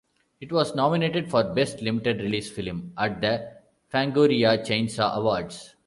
It was nominated for Best Limited Release Film at the Fangoria Chainsaw Awards.